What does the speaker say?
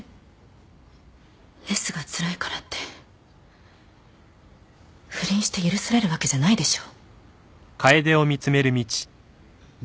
レスがつらいからって不倫して許されるわけじゃないでしょ。